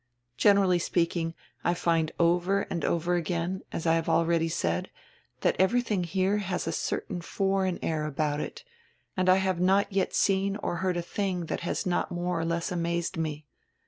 Generally speaking, I find over and over again, as I have already said, that everything here has a certain foreign air about it, and I have not yet seen or heard a tiling that has not more or less amazed me.